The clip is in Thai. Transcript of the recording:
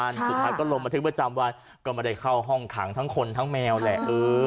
พร้อมแล้วกันสุดท้ายก็ลงมาถึงประจำว่าก่อนมาได้เข้าห้องขังทั้งคนทั้งแมวแหละ